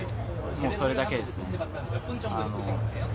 もうそれだけです。